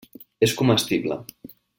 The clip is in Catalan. És comestible.